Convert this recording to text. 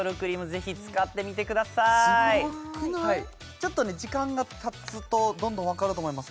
ちょっとね時間がたつとどんどんわかると思います